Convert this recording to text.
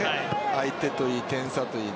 相手といい、点差といい